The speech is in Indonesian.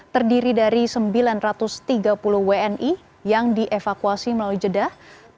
terdiri dari sembilan ratus tiga puluh wni yang dievakuasi melalui jeddah